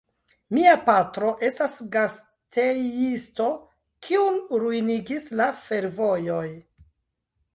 Mia patro estas gastejisto, kiun ruinigis la fervojoj.